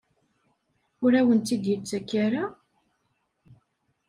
Ur awen-tt-id-yettak ara?